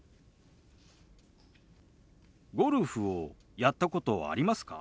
ゴルフをやったことありますか？